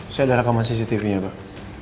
saya ada rekaman cctv nya pak